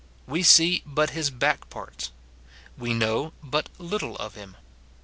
We see but his back parts ; we know but little of him.